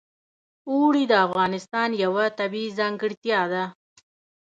اوړي د افغانستان یوه طبیعي ځانګړتیا ده.